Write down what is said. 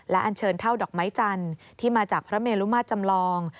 อันเชิญเท่าดอกไม้จันทร์ที่มาจากพระเมลุมาตรจำลอง